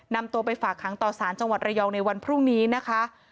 นำตัวไปฝากขังต่อสารจังหวัดระยองในวันพรุ่งนี้นะคะ